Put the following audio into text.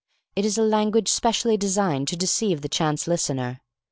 It is a language specially designed to deceive the chance listener.